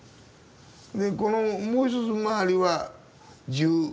でこのもう一つ周りは１８世紀。